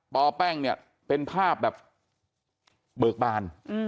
ปแป้งเนี่ยเป็นภาพแบบเบิกบาน